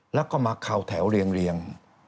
แล้วก็มาเข้าแถวเรียง